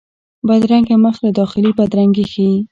بدرنګه مخ له داخلي بدرنګي ښيي